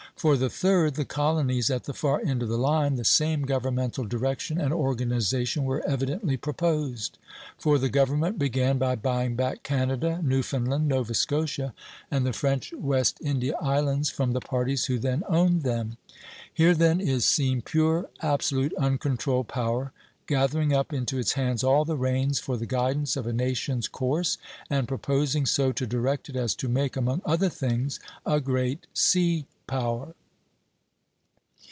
For the third, the colonies at the far end of the line, the same governmental direction and organization were evidently purposed; for the government began by buying back Canada, Newfoundland, Nova Scotia, and the French West India Islands from the parties who then owned them. Here, then, is seen pure, absolute, uncontrolled power gathering up into its hands all the reins for the guidance of a nation's course, and proposing so to direct it as to make, among other things, a great sea power.